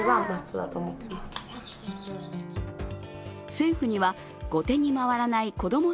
政府には後手に回らないこども